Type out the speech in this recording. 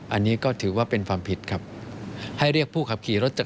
อันนี้ก็ถือว่าเป็นความผิดครับ